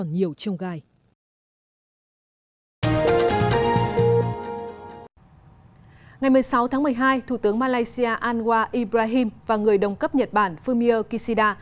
ngày một mươi sáu tháng một mươi hai thủ tướng malaysia anwa ibrahim và người đồng cấp nhật bản fumio kishida